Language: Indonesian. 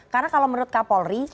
karena kalau menurut kapolri